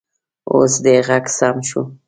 اوس دې غږ سم شو